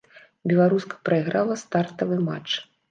Беларуска прайграла стартавы матч.